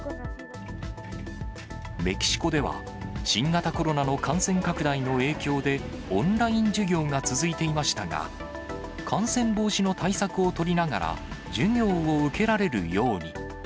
メキシコでは、新型コロナの感染拡大の影響で、オンライン授業が続いていましたが、感染防止の対策を取りながら、授業を受けられるように。